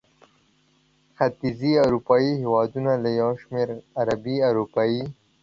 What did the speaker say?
ختیځې اروپا هېوادونه له یو شمېر غربي اروپايي